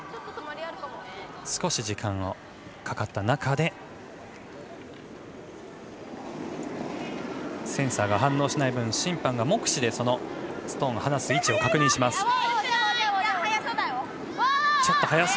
少し時間がかかった中でセンサーが反応しない分審判が目視でストーンを放す位置を確認します。